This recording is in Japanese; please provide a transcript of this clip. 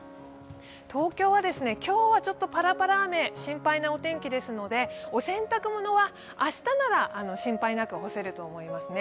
東京は今日はちょっとパラパラ雨が心配な天気ですので、お洗濯物は明日なら心配なく干せると思いますね。